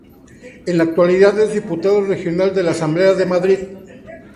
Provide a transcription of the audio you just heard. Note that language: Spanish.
En la actualidad es diputado regional en la Asamblea de Madrid.